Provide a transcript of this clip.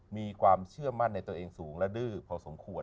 มีความเชื่อมั่นในตัวเองสูงและดื้อพอสมควร